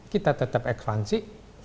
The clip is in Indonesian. kita tetap ekspansif